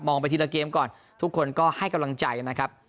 ไปทีละเกมก่อนทุกคนก็ให้กำลังใจนะครับ